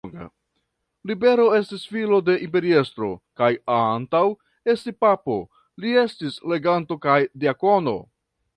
Libero estis filo de imperiestro kaj antaŭ esti papo, li estis leganto kaj diakono.